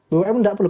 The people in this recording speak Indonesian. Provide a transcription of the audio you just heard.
bumn nggak perlu